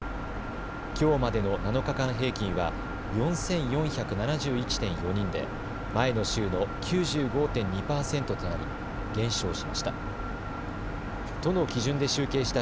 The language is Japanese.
きょうまでの７日間平均は４４７１．４人で前の週の９５．２％となり減少しました。